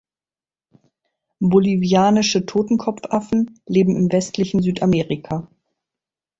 Bolivianische Totenkopfaffen leben im westlichen Südamerika.